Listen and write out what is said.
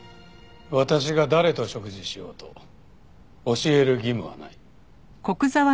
私が誰と食事しようと教える義務はない。